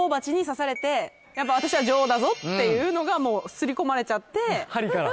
やっぱ私は女王だぞっていうのがもう刷り込まれちゃって針から？